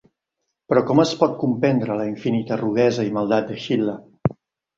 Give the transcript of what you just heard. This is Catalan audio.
Però com es pot comprendre la infinita rudesa i maldat de Hitler?